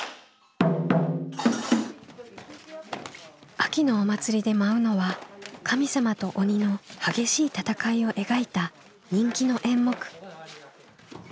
秋のお祭りで舞うのは神様と鬼の激しい戦いを描いた人気の演目。